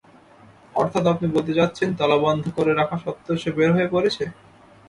অর্থাৎ আপনি বলতে চাচ্ছেন তালাবন্ধ করে রাখা সত্ত্বেও সে বের হয়ে পড়ছে?